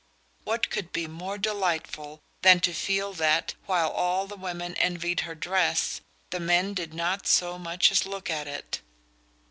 What could be more delightful than to feel that, while all the women envied her dress, the men did not so much as look at it?